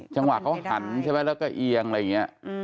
จังหวะเขาหันใช่ไหมแล้วก็เอียงอะไรอย่างนี้